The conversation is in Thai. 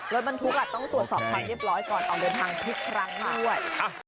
รถบรรทุกต้องตรวจสอบความเรียบร้อยก่อนออกเดินทางทุกครั้งด้วย